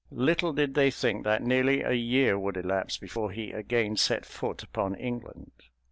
Little did they think that nearly a year would elapse before he again set foot upon England.